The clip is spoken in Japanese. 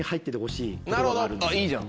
いいじゃん。